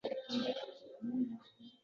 Bu odamlar yuragin yutib